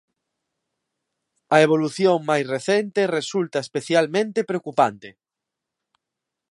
A evolución máis recente resulta especialmente preocupante.